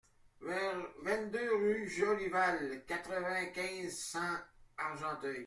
vingt-deux rue de Jolival, quatre-vingt-quinze, cent, Argenteuil